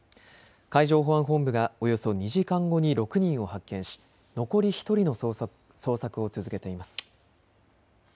海上保安本部がおよそ２時間後に６人を発見し、残り１人の捜索を続けています。